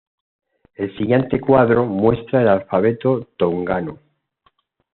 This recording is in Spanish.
El siguiente cuadro muestra el alfabeto tongano.